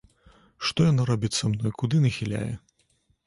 Што яна робіць са мной, куды нахіляе?